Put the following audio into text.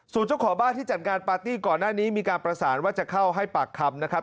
ส่วนเจ้าของบ้านที่จัดงานปาร์ตี้ก่อนหน้านี้มีการประสานว่าจะเข้าให้ปากคำนะครับ